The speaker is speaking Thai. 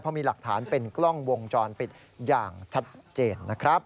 เพราะมีหลักฐานเป็นกล้องวงจรปิดอย่างชัดเจนนะครับ